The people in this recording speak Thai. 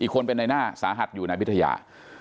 คนเป็นในหน้าสาหัสอยู่ในพิทยา